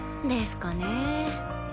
ですかね？